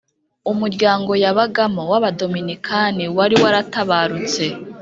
umuryango yabagamo w’abadominikani, wari waratabarutse